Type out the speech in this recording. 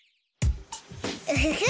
ウフフ。